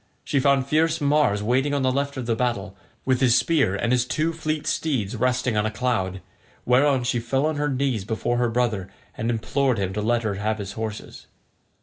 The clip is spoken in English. She found fierce Mars waiting on the left of the battle, with his spear and his two fleet steeds resting on a cloud; whereon she fell on her knees before her brother and implored him to let her have his horses.